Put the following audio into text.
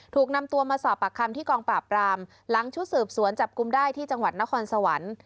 ถูกนำตัวมาสอบปากคำที่กองปราบรามหลังชุดสืบสวนจับกลุ่มได้ที่จังหวัดนครสวรรค์